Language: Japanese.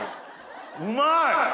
うまい！